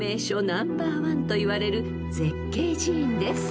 ナンバーワンといわれる絶景寺院です］